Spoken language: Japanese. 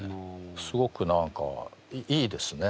すごく何かいいですね